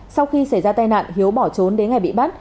sau khi xảy ra tai nạn hiếu bỏ trốn đến ngày bị bắt